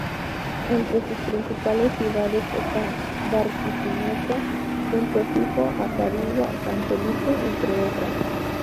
Entre sus principales ciudades están Barquisimeto, Punto Fijo, Acarigua, San Felipe, entre otras.